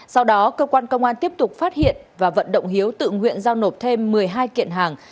sau đó cơ quan công an tiếp tục phát hiện và vận động hiếu tự nguyện giao nộp thêm một mươi hai kiện hàng